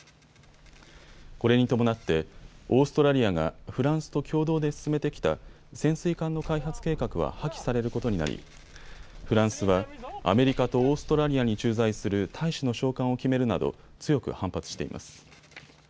これに伴ってオーストラリアがフランスと共同で進めてきた潜水艦の開発計画は破棄されることになりフランスはアメリカとオーストラリアに駐在する大使の召還を決めるなど強く反発しています。